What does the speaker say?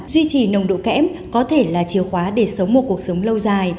duy trì nồng độ kẽm có thể là chìa khóa để sống một cuộc sống lâu dài